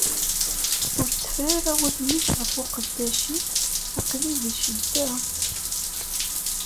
Ur tteffer ara udem-ik ɣef uqeddac-ik, aql-i di ccedda.